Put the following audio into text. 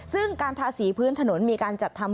ซึ่งการทาสีพื้นถนนมีการจัดทำ